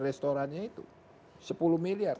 restorannya itu sepuluh miliar